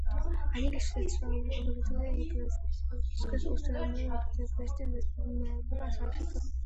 Они лишь средства удовлетворения и продвижения политических устремлений и потребностей международного сообщества.